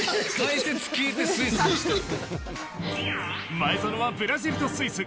前園はブラジルとスイス。